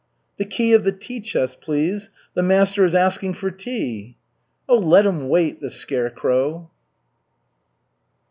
"The key of the tea chest, please. The master is asking for tea." "Let him wait, the scarecrow!"